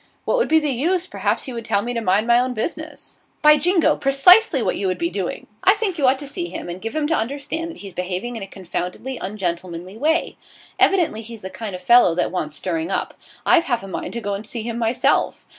'What would be the use? Perhaps he would tell me to mind my own business.' 'By jingo! precisely what you would be doing. I think you ought to see him and give him to understand that he's behaving in a confoundedly ungentlemanly way. Evidently he's the kind of fellow that wants stirring up. I've half a mind to go and see him myself.